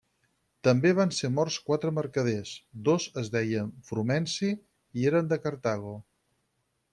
També van ser morts quatre mercaders: dos es deien Frumenci i eren de Cartago.